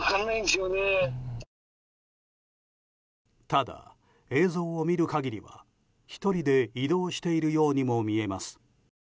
ただ、映像を見る限りは１人で移動しているようにも見えます。